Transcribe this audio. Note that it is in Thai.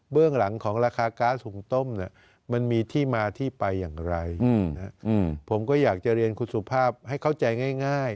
หลังของราคาก๊าซหุงต้มเนี่ยมันมีที่มาที่ไปอย่างไรผมก็อยากจะเรียนคุณสุภาพให้เข้าใจง่าย